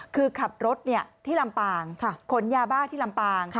คือขับรถที่ลำปางขนยาบ้าที่ลำปาง